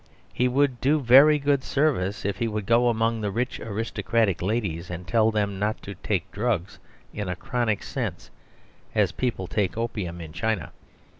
He would do very good service if he would go among the rich aristocratic ladies and tell them not to take drugs in a chronic sense, as people take opium in China.